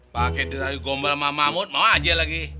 paket dirayu gombal mah mahmud mau aja lagi